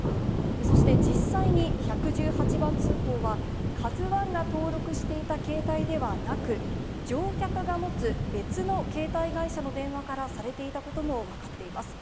そして、実際に１１８番通報は、カズワンが登録していた携帯ではなく、乗客が持つ別の携帯会社の電話からされていたことも分かっています。